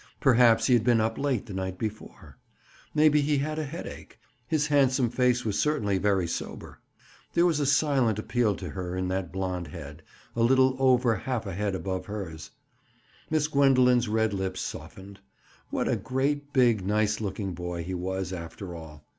Perhaps he had been up late the night before. Maybe he had a headache. His handsome face was certainly very sober. There was a silent appeal to her in that blond head, a little over half a head above hers. Miss Gwendoline's red lips softened. What a great, big, nice looking boy he was, after all!